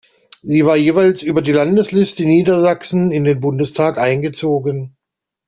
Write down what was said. Sie war jeweils über die Landesliste Niedersachsen in den Bundestag eingezogen.